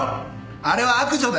あれは悪女だよ。